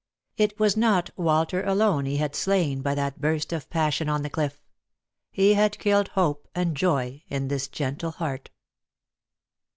It was not Walter alone he had slain by that burst of passion on the cliff — he had killed hope and joy in this gentle heart.